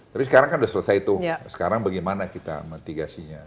tapi sekarang kan sudah selesai tuh sekarang bagaimana kita metigasinya